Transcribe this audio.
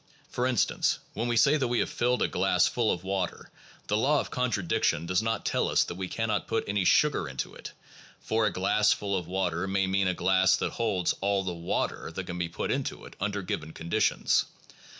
For in stance, when we say that we have filled a glass full of water, the law of contradiction does not tell us that we cannot put any sugar into it; for 'a glass full of water' may mean a glass that holds all the water that can be put into it under given conditions.